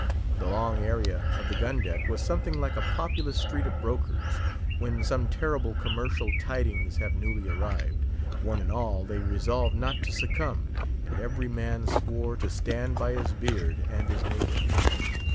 The long area of the gun deck was something like a populous street of brokers, when some terrible commercial tidings have newly arrived. One and all, they resolved not to succumb, and every man swore to stand by his beard and his neighbour.